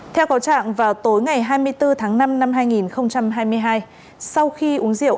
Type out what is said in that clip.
theo có trạng vào tối ngày hai mươi bốn tháng năm năm hai nghìn hai mươi hai sau khi uống rượu